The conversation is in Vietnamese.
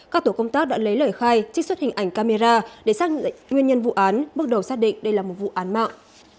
các tổ công tác đã lấy lời khai trích xuất hình ảnh camera để xác nguyên nhân vụ án bước đầu xác định đây là một vụ án mạng